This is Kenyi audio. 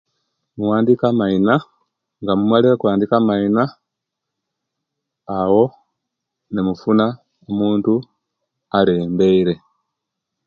Muwandika amaina nga mumalire okuwandika amaina awo nimufuna omuntu alembeere